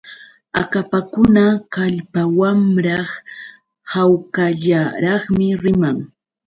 Akapakuna kallpawanraq hawkallaraqmi riman.